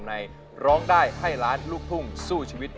ร้องได้ให้ล้านลูกทุ่งสู้ชีวิต